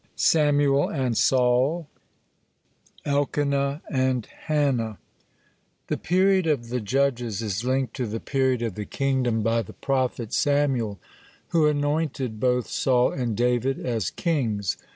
SAMUEL AND SAUL ELKANAH AND HANNAH The period of the Judges is linked to the period of the Kingdom by the prophet Samuel, who anointed both Saul and David as kings.